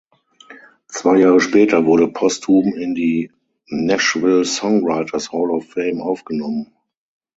Zwei Jahre später wurde posthum in die Nashville Songwriters Hall of Fame aufgenommen.